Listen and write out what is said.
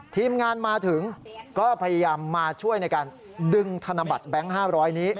ทีมงานมาถึงก็พยายามมาช่วยในการดึงธนบัตรแบงค์๕๐๐นี้